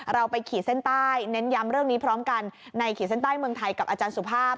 เราไปขีดเส้นใต้เน้นย้ำเรื่องนี้พร้อมกันในขีดเส้นใต้เมืองไทยกับอาจารย์สุภาพ